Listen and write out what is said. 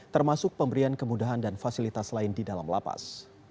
termasuk pemberian kemudahan dan fasilitas lain di dalam lapas